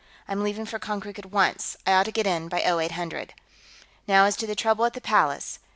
I'm leaving for Konkrook at once; I ought to get in by 0800. "Now, as to the trouble at the Palace.